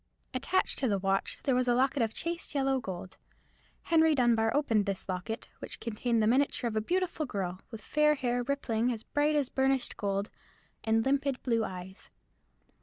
Attached to the watch there was a locket of chased yellow gold. Henry Dunbar opened this locket, which contained the miniature of a beautiful girl, with fair rippling hair as bright as burnished gold, and limpid blue eyes.